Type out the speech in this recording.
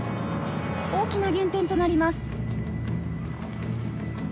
大きな減点となります。